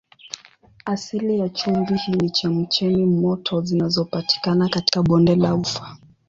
Asili ya chumvi hii ni chemchemi moto zinazopatikana katika bonde la Ufa.